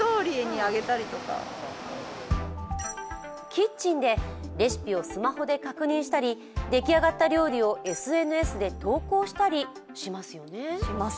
キッチンでレシピをスマホで確認したり出来上がった料理をＳＮＳで投稿したりしますよね。